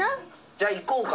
じゃあいこうか。